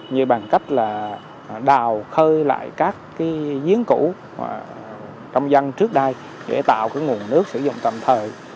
như bằng cách là đào khơi lại các diễn cũ trong dân trước đây để tạo cái nguồn nước sử dụng tầm thời